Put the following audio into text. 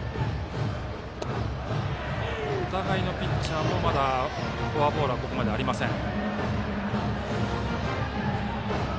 お互いのピッチャーもまだフォアボールはここまでありません。